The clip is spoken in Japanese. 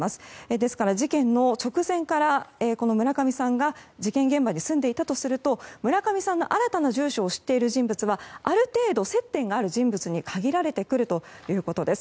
ですから、事件の直前からこの村上さんが事件現場に住んでいたとすると村上さんの新たな住所を知っている人物はある程度、接点がある人物に限られてくるということです。